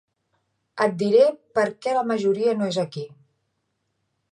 Et diré per què la majoria no és aquí.